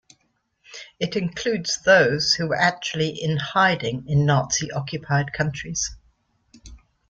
It includes those who were actually in hiding in Nazi-occupied countries.